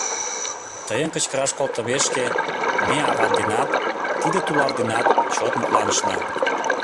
— Тыйым кычкыраш колтымешке ме ават денат, тиде тулар денат чот мутланышна...